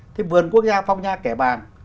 thế vườn quốc gia phong nha kẻ bàng